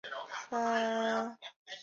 母叶氏。